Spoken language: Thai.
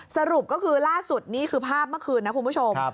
สรุปก็คือล่าสุดนี่คือภาพเมื่อคืนนะคุณผู้ชม